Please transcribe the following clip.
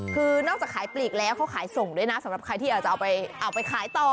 คือนอกจากขายปลีกแล้วเขาขายส่งด้วยนะสำหรับใครที่อาจจะเอาไปขายต่อ